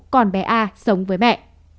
còn bé a sống với mẹ